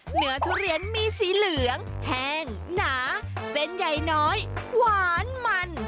เหนือทุเรียนมีสีเหลืองแห้งหนาเส้นใหญ่น้อยหวานมัน